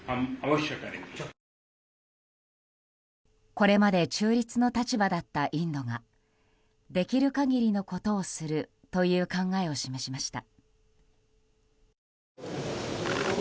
これまで中立の立場だったインドができる限りのことをするという考えを示しました。